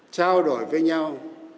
trao đổi với nhau